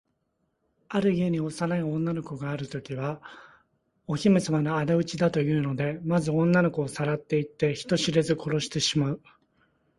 その家に幼い女の子があるときは、お姫さまのあだ討ちだというので、まず女の子をさらっていって、人知れず殺してしまう。